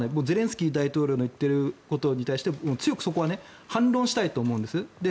ゼレンスキー大統領の言っていることに対して強くそこは反論したいと思うんです。